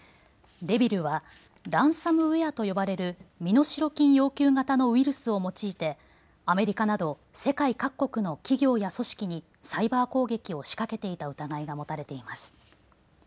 ＲＥｖｉｌはランサムウエアと呼ばれる身代金要求型のウイルスを用いてアメリカなど世界各国の企業や組織にサイバー攻撃を仕掛けていた疑いが持たれています。